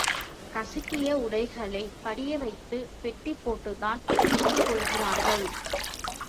கசக்கிய உ.டைகளைப் படியவைத்துப் பெட்டி போட்டுத்தான் உடுத்திக்கொள்கிறார்கள்.